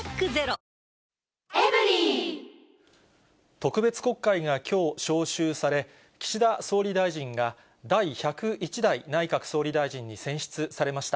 特別国会がきょう召集され、岸田総理大臣が第１０１代内閣総理大臣に選出されました。